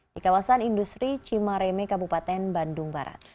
di kawasan industri cimareme kabupaten bandung barat